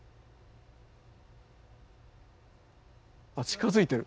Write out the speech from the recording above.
あっ近づいてる！